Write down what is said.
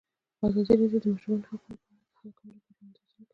ازادي راډیو د د ماشومانو حقونه په اړه د حل کولو لپاره وړاندیزونه کړي.